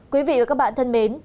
quý vị và các bạn thân mến